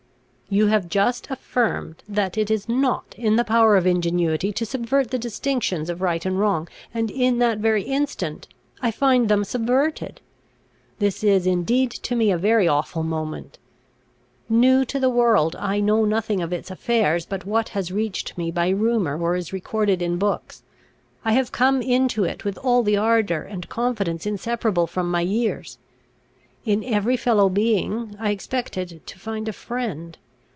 You have just affirmed that it is not in the power of ingenuity to subvert the distinctions of right and wrong, and in that very instant I find them subverted. This is indeed to me a very awful moment. New to the world, I know nothing of its affairs but what has reached me by rumour, or is recorded in books. I have come into it with all the ardour and confidence inseparable from my years. In every fellow being I expected to find a friend.